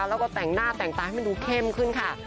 แล้วก็แต่งหน้าแต่งตาให้มันดูเข้มขึ้นค่ะ